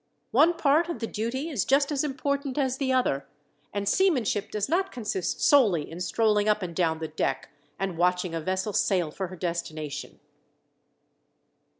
One part of the duty is just as important as the other, and seamanship does not consist solely in strolling up and down the deck, and watching a vessel sail for her destination."